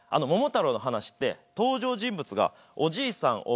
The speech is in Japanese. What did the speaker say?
「桃太郎」の話って登場人物がおじいさん